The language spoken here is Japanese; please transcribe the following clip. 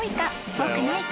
ぽくないか？］